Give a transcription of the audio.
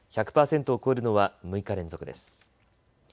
１００％を超えるのは６日連続です。